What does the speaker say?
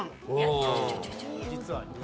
実は。